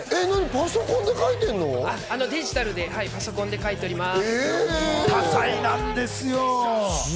デジタルでパソコンで描いております。